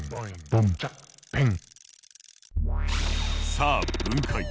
さあ分解。